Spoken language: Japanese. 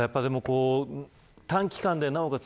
短期間で、なおかつ